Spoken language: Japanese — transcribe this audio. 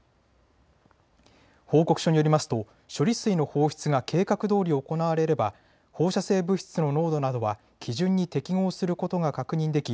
報告書によりますと処理水の放出が計画どおり行われれば放射性物質の濃度などは基準に適合することが確認でき